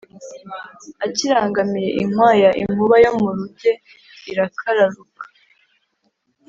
akirangamiye inkwaya inkuba yo mu ruge irakararuka